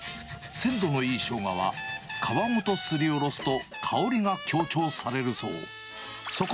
鮮度のいいショウガは皮ごとすりおろすと、香りが強調されるそう。